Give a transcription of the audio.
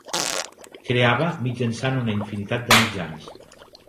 Creava mitjançant una infinitat de mitjans.